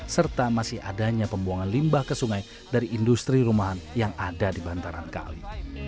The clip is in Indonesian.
serta masih adanya pembuangan limbah ke sungai dari industri rumahan yang ada di bantaran kali